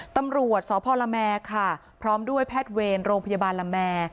ตำรวจสพละแมค่ะพร้อมด้วยแพทย์เวรโรงพยาบาลละแม่